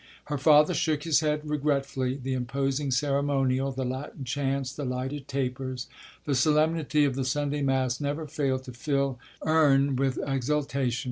Her father shook his head regretfully. The imposing ceremonial, the Latin chants, the lighted tapers, the solemnity of the Sunday mass never failed to fill him with exaltation.